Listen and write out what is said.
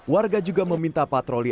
warga juga meminta patroli